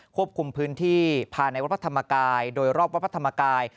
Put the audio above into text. ควบคุมพื้นที่ภายในวัดพระธรรมกายโดยรอบวัดพระธรรมกาย